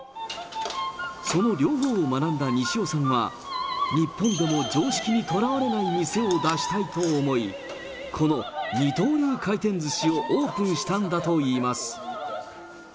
その両方を学んだ西尾さんは、日本でも常識にとらわれない店を出したいと思い、この二刀流回転ずしをオープンしたんだといいます。